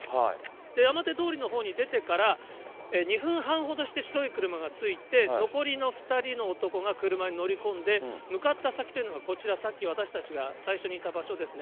山手通りのほうに出てから、２分半ほどして、白い車が着いて、残りの２人の男が車に乗り込んで、向かった先というのがこちら、さっき私たちが最初にいた場所ですね。